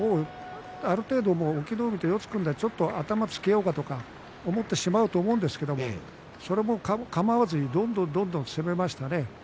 ある程度、隠岐の海と四つに組んで頭をつけようと思ってしまうと思うんですけれどそれもかまわずどんどんどんどん攻めましたね。